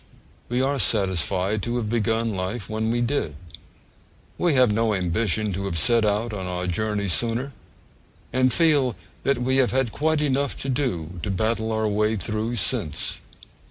We are satisfied to have begun life when we did; we have no ambition to have set out on our journey sooner; and feel that we have had quite enough to do to battle our way through since.